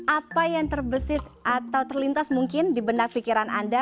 apa yang terbesit atau terlintas mungkin di benak pikiran anda